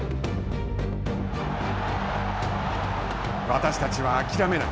私たちは諦めない。